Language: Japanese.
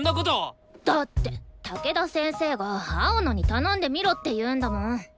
だって武田先生が青野に頼んでみろって言うんだもん。